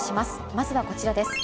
まずはこちらです。